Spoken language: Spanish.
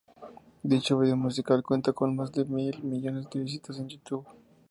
Dicho video musical cuenta con más de mil millones de visitas en YouTube.